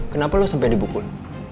kenapa lo sampai dibukul